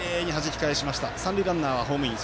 三塁ランナーはホームイン。